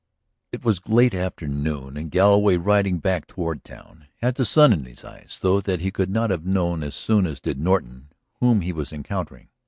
It was late afternoon, and Galloway, riding back toward town, had the sun in his eyes so that he could not have known as soon as did Norton whom he was encountering.